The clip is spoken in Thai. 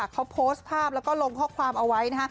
เขาโพสต์ภาพแล้วก็ลงข้อความเอาไว้